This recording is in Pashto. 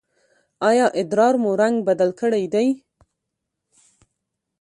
ایا ادرار مو رنګ بدل کړی دی؟